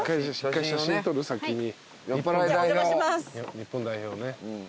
日本代表ね。